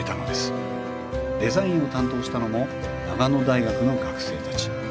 デザインを担当したのも長野大学の学生たち。